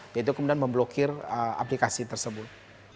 yaitu kemudian memblokir aplikasi tersebut